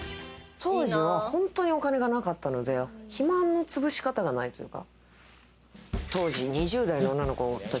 当時は本当にお金がなかったのでヒマのつぶし方がないというか。